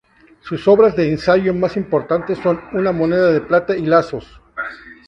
Sus obras de ensayo más importantes son "Una moneda de plata" y "Lazos".